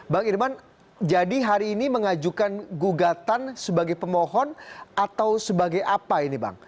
bang irman jadi hari ini mengajukan gugatan sebagai pemohon atau sebagai apa ini bang